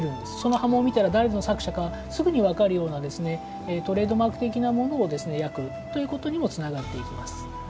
刃文を見たら誰が作者かすぐに分かるようなトレードマーク的なものを焼くということにもつながっていきます。